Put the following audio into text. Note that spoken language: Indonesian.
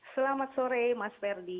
selamat sore mas ferdi